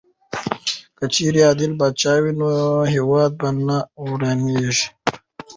که چېرې عادل پاچا وای نو هېواد به نه ورانېدی.